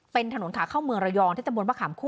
เป็นถนนขาเข้าเมืองระยองที่ตะบนมะขามคู่